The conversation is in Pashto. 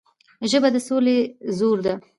ژبه د سولې زور ده